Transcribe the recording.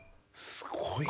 すごいな。